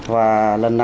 và lần này